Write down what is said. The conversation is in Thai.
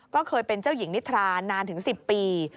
ก็เคยเป็นเจ้าหญิงนิทรานานถึง๑๐ปี